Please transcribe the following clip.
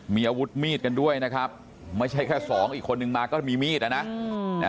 มีอาวุธมีดกันด้วยนะครับไม่ใช่แค่สองอีกคนนึงมาก็มีมีดอ่ะนะ